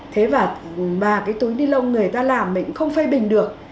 thế và cái túi ni lông người ta làm mình cũng không phê bình được